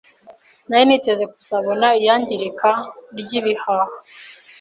Nari niteze kuzabona iyangirika ry’ibihaha,